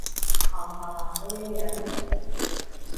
冚唪唥都一樣